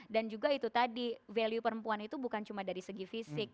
dan juga itu tadi value perempuan itu bukan cuma dari segi fisik